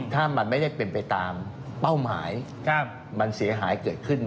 ถ้ามันไม่ได้เป็นไปตามเป้าหมายมันเสียหายเกิดขึ้น